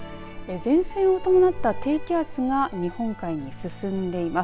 前線を伴った低気圧が日本海に進んでいます。